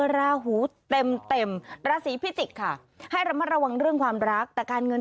ราหูเต็มราศีพิจิกษ์ค่ะให้ระมัดระวังเรื่องความรักแต่การเงิน